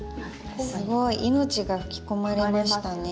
すごい。命が吹き込まれましたね。